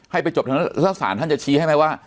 ให้ไปจบทางศาลท่านจะชี้ให้ไหมว่า